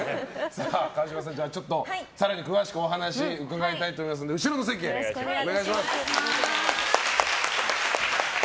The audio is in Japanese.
川嶋さん、更に詳しくお話伺いたいと思いますので後ろの席へお願いします。